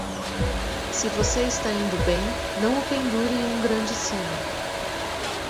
Se você está indo bem, não o pendure em um grande sino.